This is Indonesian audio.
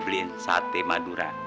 beli sate madura